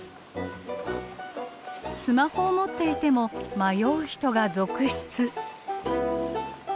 スマホを持っていても迷う人が続出。